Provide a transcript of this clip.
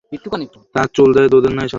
তার চুল-দাড়ি দুধের ন্যায় সাদা হয়ে গিয়েছিল।